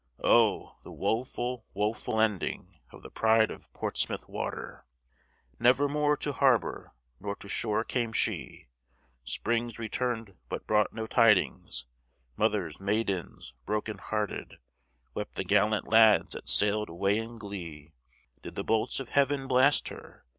Oh, the woful, woful ending Of the pride of Portsmouth water! Never more to harbor nor to shore came she! Springs returned but brought no tidings; Mothers, maidens, broken hearted, Wept the gallant lads that sailed away in glee. Did the bolts of heaven blast her?